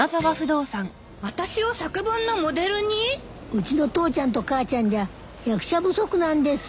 うちの父ちゃんと母ちゃんじゃ役者不足なんです。